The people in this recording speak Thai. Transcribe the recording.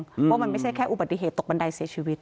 เพราะมันไม่ใช่แค่อุบัติเหตุตกบันไดเสียชีวิต